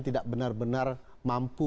tidak benar benar mampu